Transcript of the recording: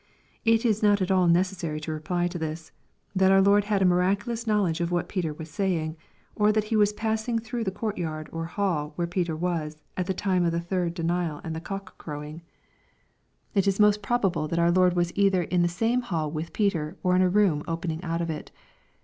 It is not at all necessary to reply to this, that our Lord had a miraculous knowledge of what Peter was saying, or that He was passing through the court yard, or hall, where Peter was, at th« time of the third denial and the cock crowing. LUKE, CHAP. XXII. 441 It is most probable that our Lord waa either in the sani 3 hall with Peter, or in a room opening out of it.